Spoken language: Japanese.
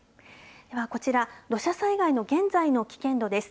ではこちら、土砂災害の現在の危険度です。